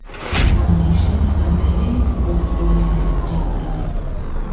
His nomination is now pending before the full United States Senate.